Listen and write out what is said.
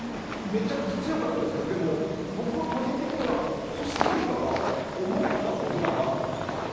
めちゃくちゃ強かったですけどでも、僕は個人的にはコスタリカが思ったほどだなだったんですよ。